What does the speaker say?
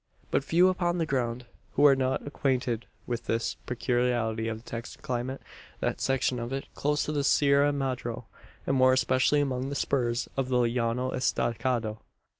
But few upon the ground who are not acquainted with this peculiarity of the Texan climate that section of it close to the Sierra Madro and more especially among the spurs of the Llano Estacado.